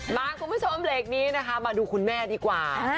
คุณผู้ชมเบรกนี้นะคะมาดูคุณแม่ดีกว่า